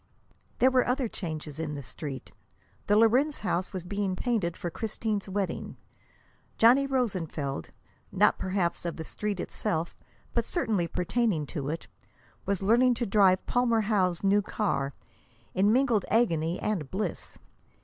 There were other changes in the Street. The Lorenz house was being painted for Christine's wedding. Johnny Rosenfeld, not perhaps of the Street itself, but certainly pertaining to it, was learning to drive Palmer Howe's new car, in mingled agony and bliss.